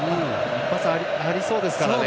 一発ありそうですからね。